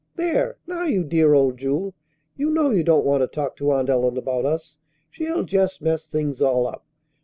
"There! now you dear old Jewel, you know you don't want to talk to Aunt Ellen about us. She'll just mess things all up.